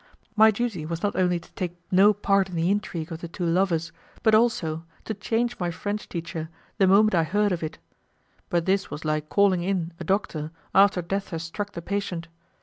My duty was not only to take no part in the intrigue of the two love, but also to change my French teacher the moment I heard of it; but this was like calling in a doctor after death has struck the patient.